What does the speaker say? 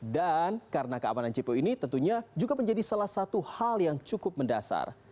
karena keamanan cpo ini tentunya juga menjadi salah satu hal yang cukup mendasar